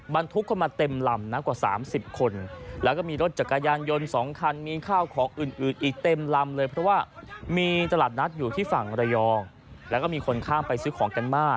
มันทุกขับมาเต็มลำนะ